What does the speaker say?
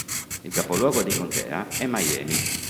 Il capoluogo di contea è Miami.